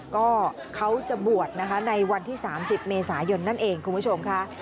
ก็เขาจะบวชนะคะในวันที่๓๐เมษายนนั่นเองคุณผู้ชมค่ะ